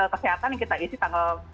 kesehatan yang kita isi tanggal